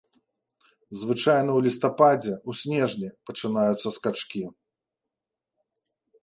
Звычайна ў лістападзе, у снежні пачынаюцца скачкі.